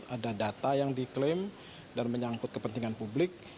ada data yang diklaim dan menyangkut kepentingan publik